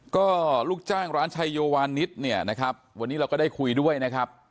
ก็ลูกจ้างร้านชัยโยวานิดเนี่ยนะครับวันนี้เราก็ได้คุยด้วยนะครับ